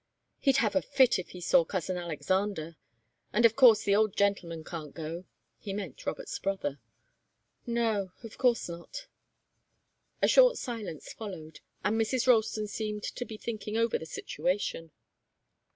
He'd have a fit if he saw cousin Alexander. And of course the old gentleman can't go." He meant Robert's brother. "No of course not." A short silence followed, and Mrs. Ralston seemed to be thinking over the situation.